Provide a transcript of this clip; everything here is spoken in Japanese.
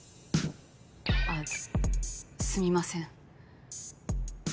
あぁすみません。